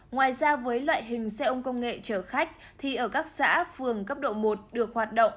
ngoài ra với loại hình xe ông công nghệ chở khách thì ở các xã phường cấp độ một được hoạt động